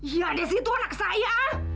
ya desi tuh anak saya